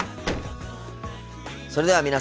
それでは皆さん